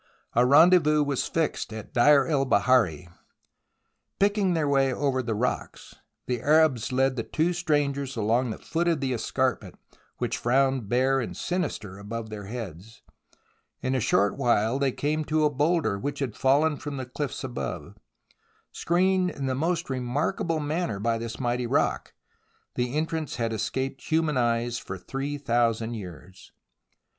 A rendezvous was fixed at Deir el Bahari. Picking their way over the rocks, the Arabs led the two strangers along the foot of the escarpment which frowned bare and sinister above their heads. In a short while they came to a boulder which had fallen from the cliffs above. Screened in the most remarkable manner by this mighty rock, the entrance had escaped human eyes for three thousand years.